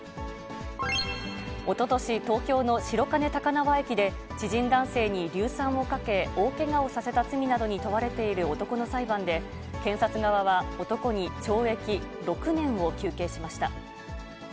おととし、東京の白金高輪駅で、知人男性に硫酸をかけ、大けがをさせた罪などに問われている男の裁判で、検察側は男に懲役６年を求刑しました。